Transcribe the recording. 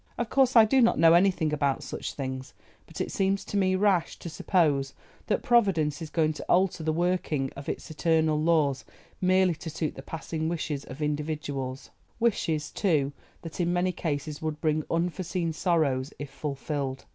Of course I do not know anything about such things, but it seems to me rash to suppose that Providence is going to alter the working of its eternal laws merely to suit the passing wishes of individuals—wishes, too, that in many cases would bring unforeseen sorrows if fulfilled.